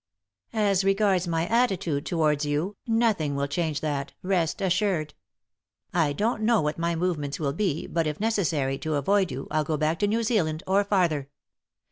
As regards my attitude towards you — nothing will change that, rest assured. I don't know what my movements will be, but, if necessary, to avoid you, I'll go back to New Zealand, or farther.